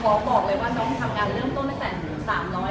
บอกเลยว่าน้องทำงานเริ่มต้นตั้งแต่๓๕